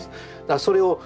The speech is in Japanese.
それをあ